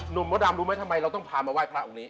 มดดำรู้ไหมทำไมเราต้องพามาไหว้พระองค์นี้